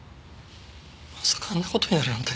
まさかあんな事になるなんて。